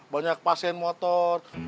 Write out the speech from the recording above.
banyak pasien motor